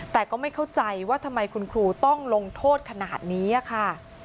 แต่ก็ไม่เข้าใจว่าทำไมคุณครูต้องลงโทษขนาดนี้ค่ะ